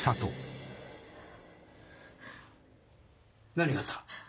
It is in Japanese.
何があった？